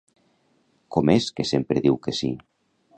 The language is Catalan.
Com és que sempre diu que sí?